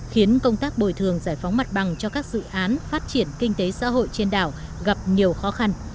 khiến công tác bồi thường giải phóng mặt bằng cho các dự án phát triển kinh tế xã hội trên đảo gặp nhiều khó khăn